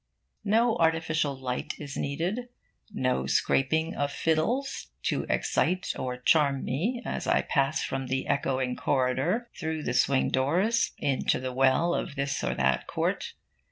No artificial light is needed, no scraping of fiddles, to excite or charm me as I pass from the echoing corridor, through the swing doors, into the well of this or that court.